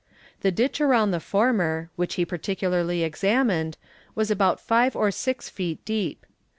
The ditch around the former, which he particularly examined, was about five or six feet deep.